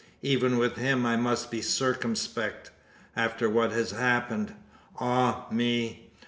Even with him I must be circumspect after what has happened. Ah, me!